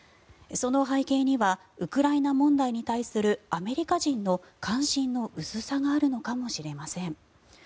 その背景にはウクライナ問題に対するアメリカ人の関心の薄さがあるのかもしれません。